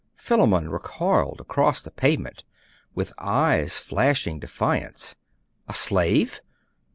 Philammon recoiled across the pavement, with eyes flashing defiance. A slave!